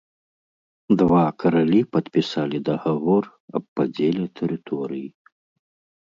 Два каралі падпісалі дагавор аб падзеле тэрыторый.